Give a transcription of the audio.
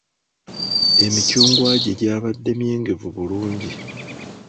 Emicungwa gye gyabadde myengevu bulungi.